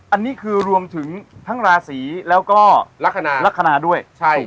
อันนี้คือรวมถึงทั้งราศีแล้วก็ลักษณะด้วย